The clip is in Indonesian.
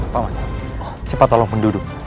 pak man cepat tolong penduduk